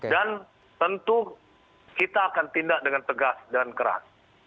dan tentu kita akan tindak dengan tegas dan keras